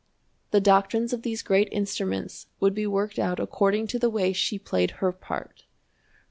The doctrines of these great instruments would be worked out according to the way she played her part.